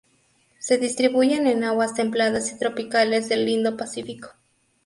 Se distribuyen en aguas templadas y tropicales del Indo-Pacífico.